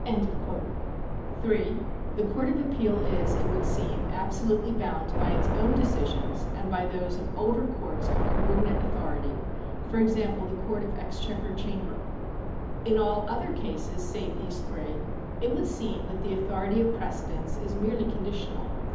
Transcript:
^ (3) The Court of Appeal is, it would seem, absolutely ])ound by its own decisions and by those of older courts of co ordinate authority, for example, the Court of Exchequer Chamber. 2 In all other cases save these three, it would seem that the authority of precedents is merely conditional.